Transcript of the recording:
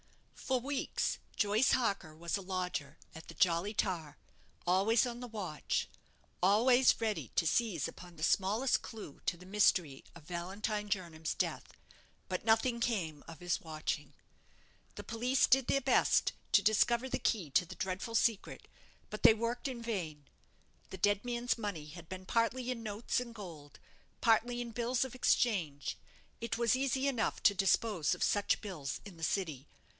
For weeks Joyce Harker was a lodger at the 'Jolly Tar'; always on the watch; always ready to seize upon the smallest clue to the mystery of Valentine Jernam's death; but nothing came of his watching. The police did their best to discover the key to the dreadful secret; but they worked in vain. The dead man's money had been partly in notes and gold, partly in bills of exchange. It was easy enough to dispose of such bills in the City.